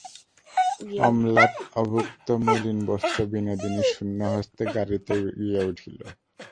অস্নাত অভুক্ত মলিনবস্ত্র বিনোদিনী শূন্য হস্তে গাড়িতে গিয়া উঠিল।